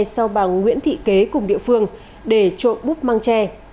sau bằng nguyễn thị kế cùng địa phương để trộn búp mang tre